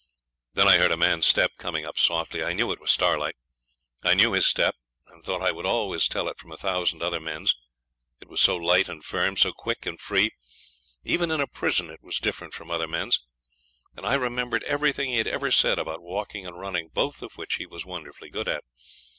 Then I heard a man's step coming up softly; I knew it was Starlight. I knew his step, and thought I would always tell it from a thousand other men's; it was so light and firm, so quick and free. Even in a prison it was different from other men's; and I remembered everything he had ever said about walking and running, both of which he was wonderfully good at.